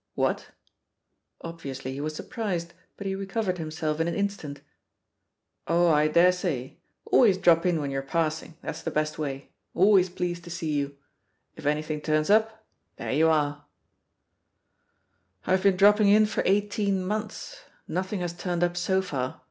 "What?" Obviously he was surprised, but he recovered himself in an instant. "Oh, I dare say. Always drop in when you're passing, that's the best way — always pleased to see you. If anything turns up, there you are I" "I've been dropping in for eighteen months, SSTothing has turned up so far.